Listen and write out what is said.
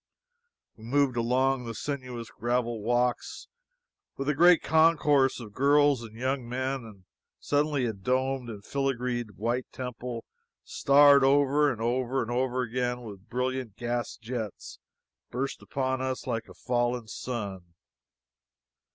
We moved along the sinuous gravel walks, with the great concourse of girls and young men, and suddenly a domed and filigreed white temple, starred over and over and over again with brilliant gas jets, burst upon us like a fallen sun.